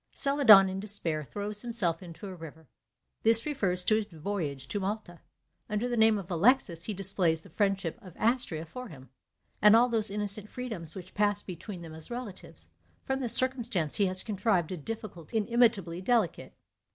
Celadon in despair throws himself into a river; this refers to his voyage to Malta. Under the name of Alexis he displays the friendship of Astrea for him, and all those innocent freedoms which passed between them as relatives; from this circumstance he has contrived a difficulty inimitably delicate.